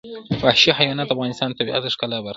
وحشي حیوانات د افغانستان د طبیعت د ښکلا برخه ده.